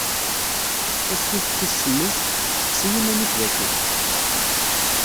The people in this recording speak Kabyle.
Tasfift tis semmuset "Seqsi iman-ik d acu-k?".